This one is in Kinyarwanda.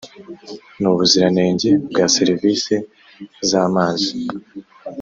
n ubuziranenge bwa serivisi z amazi